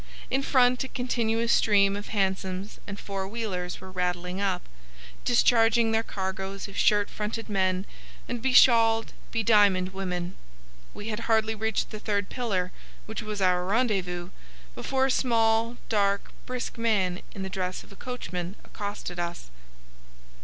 In front a continuous stream of hansoms and four wheelers were rattling up, discharging their cargoes of shirt fronted men and beshawled, bediamonded women. We had hardly reached the third pillar, which was our rendezvous, before a small, dark, brisk man in the dress of a coachman accosted us.